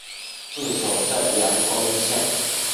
治所在延恩县。